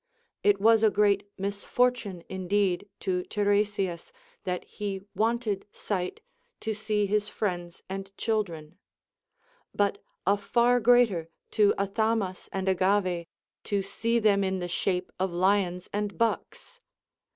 It was a great misfortune indeed to Tiresias, that he wanted sight to see his friends and children ; but a far greater to Athamas and Agave, to see them in the shape of lions and bucks.